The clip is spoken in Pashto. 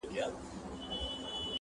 هر یوه چي مي په مخ کي پورته سر کړ!